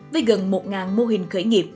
với gần một mô hình khởi nghiệp